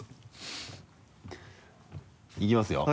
いきますよ。